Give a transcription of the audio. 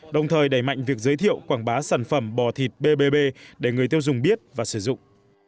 đồng thời đẩy mạnh việc giới thiệu quảng bá sản phẩm bò thịt bbb để người tiêu dùng biết và sử dụng